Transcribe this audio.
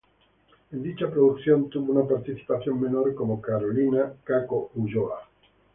En dicha producción, tuvo una participación menor como Carolina "Caco" Ulloa.